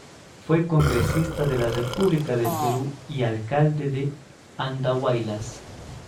Fue Congresista de la República del Perú y Alcalde de Andahuaylas.